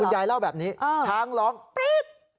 ยายเล่าแบบนี้ช้างร้องปรี๊ด